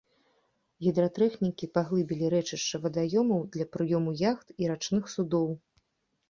Гідратэхнікі паглыбілі рэчышча вадаёмаў для прыёму яхт і рачных судоў.